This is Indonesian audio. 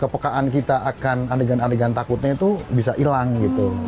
kepekaan kita akan adegan adegan takutnya itu bisa hilang gitu